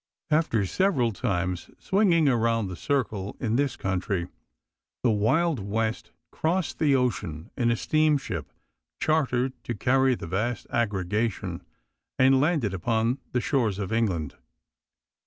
After several times swinging around the circle in this country, the Wild West crossed the ocean in a steamship chartered to carry the vast aggregation, and landed upon the shores of England.